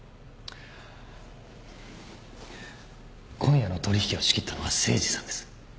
今夜の取引を仕切ったのは誠司さんです。